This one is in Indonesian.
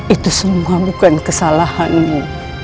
itu semua bukan kesalahanmu